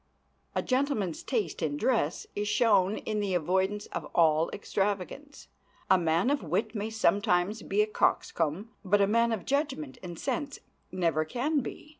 A gentleman's taste in dress is shown in the avoidance of all extravagance. A man of wit may sometimes be a coxcomb, but a man of judgment and sense never can be.